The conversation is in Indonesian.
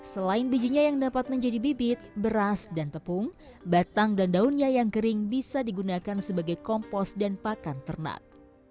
selain bijinya yang dapat menjadi bibit beras dan tepung batang dan daunnya yang kering bisa digunakan sebagai kompos dan pakan ternak